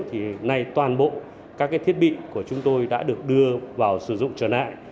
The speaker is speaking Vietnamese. thì nay toàn bộ các thiết bị của chúng tôi đã được đưa vào sử dụng trở lại